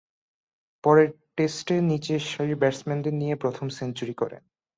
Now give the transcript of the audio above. পরের টেস্টে নিচের সারির ব্যাটসম্যানদের নিয়ে প্রথম সেঞ্চুরি করেন।